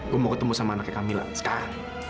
gue mau ketemu sama anaknya kamila sekarang